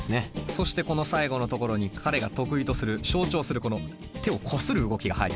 そしてこの最後のところに彼が得意とする象徴するこの手をこする動きが入りました。